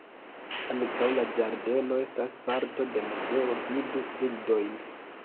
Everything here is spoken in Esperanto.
Ankaŭ la ĝardeno estas parto de muzeo, vidu bildojn.